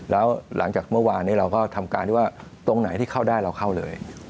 แล้วหลังจากเมื่อวานนี้เราก็ทำการที่ว่าตรงไหนที่เข้าได้เราเข้าเลย